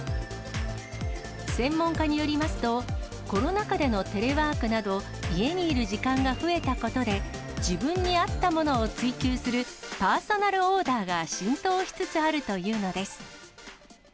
専門家によりますと、コロナ禍でのテレワークなど、家にいる時間が増えたことで、自分に合ったものを追求するパーソナルオーダーが浸透しつつあるというのです。